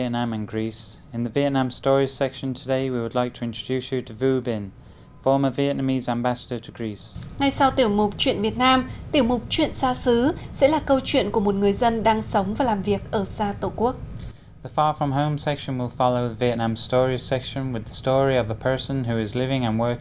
ngay sau tiểu mục chuyện việt nam tiểu mục chuyện xa xứ sẽ là câu chuyện của một người dân đang sống và làm việc ở xa tổ quốc